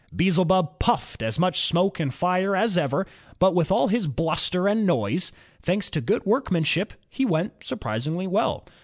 Beelzebub puffed as much smoke and fire as ever, but with all his bluster and noise, — thanks to good workmanship, he went surprisingly well.